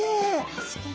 確かに。